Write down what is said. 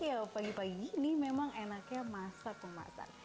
ya pagi pagi ini memang enaknya masak masak